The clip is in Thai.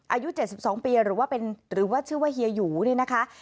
อายุ๗๒ปีหรือว่าหรือว่าชื่อว่าเฮียหยูเนี่ยนะคะ